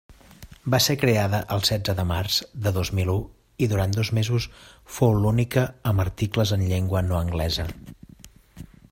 Va ser creada el setze de març de dos mil u i, durant dos mesos, fou l'única amb articles en llengua no anglesa.